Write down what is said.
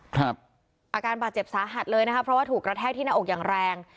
เป็นอาการปาเจ็บสาหัสเลยนะครับเพราะที่กระแทะที่หน้าอกอย่างแรง